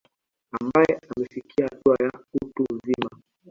Ambae amefikia hatua ya utu uzima